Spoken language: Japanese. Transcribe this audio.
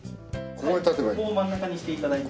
ここを真ん中にして頂いて。